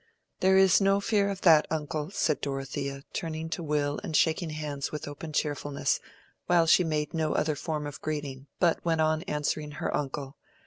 "There is no fear of that, uncle," said Dorothea, turning to Will and shaking hands with open cheerfulness, while she made no other form of greeting, but went on answering her uncle.